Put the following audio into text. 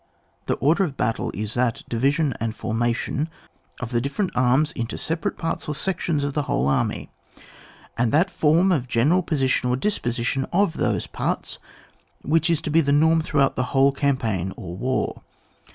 The order of battle is that division and formation of the different arms into sepa rate parts or sections of the whole Army, and that form of general position or dispo sition of those parts which is to be the norm throughout the whole campaign or war.